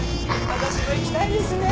私も行きたいですねえ。